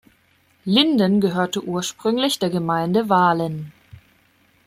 Linden gehörte ursprünglich zur Gemeinde Wahlen.